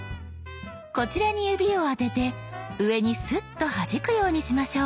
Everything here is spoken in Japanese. こちらに指を当てて上にスッとはじくようにしましょう。